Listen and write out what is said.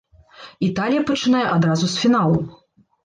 Італія пачынае адразу з фіналу!